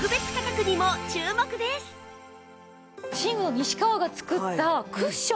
寝具の西川が作ったクッション。